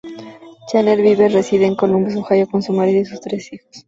Janet Bieber reside en Columbus, Ohio, con su marido y sus tres hijos.